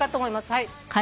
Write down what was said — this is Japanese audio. はい。